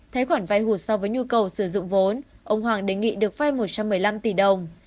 thấy khoản vai hụt so với nhu cầu sử dụng vốn ông hoàng đề nghị được vai một trăm một mươi năm tỷ đồng